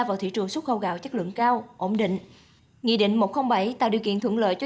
vào thị trường xuất khẩu gạo chất lượng cao ổn định nghị định một trăm linh bảy tạo điều kiện thuận lợi cho